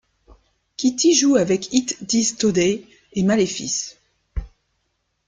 Kittie joue avec It Dies Today et Malefice.